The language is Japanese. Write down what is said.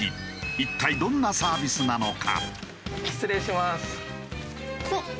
一体どんなサービスなのか？